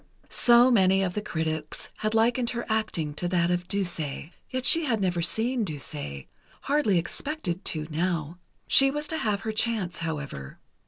So many of the critics had likened her acting to that of Duse. Yet she had never seen Duse ... hardly expected to, now. She was to have her chance, however.